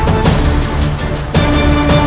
aku akan pergi ke istana yang lain